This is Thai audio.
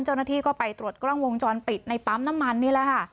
เจ้าหน้าที่ก็ไปตรวจกล้องวงจรปิดในปั๊มน้ำมันนี่แหละค่ะ